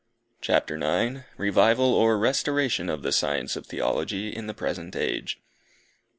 CHAPTER IX. REVIVAL OR RESTORATION OF THE SCIENCE OF THEOLOGY IS THE PRESENT AGE.